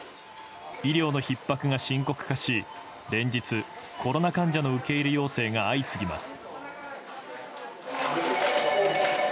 医療のひっ迫が深刻化し、連日コロナ患者の受け入れ要請が相次ぎます。